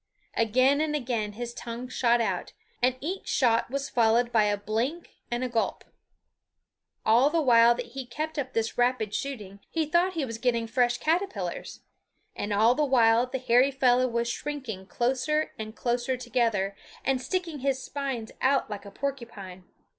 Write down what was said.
Again and again his tongue shot out, and each shot was followed by a blink and a gulp. All the while that he kept up this rapid shooting he thought he was getting fresh caterpillars; and all the while the hairy fellow was shrinking closer and closer together and sticking his spines out like a porcupine.